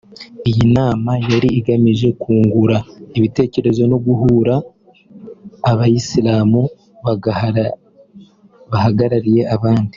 Iyi nama yari igamije kungurana ibitekerezo no guhugura abayisilamu bahagarariye abandi